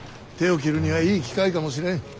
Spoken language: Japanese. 手を切るにはいい機会かもしれん。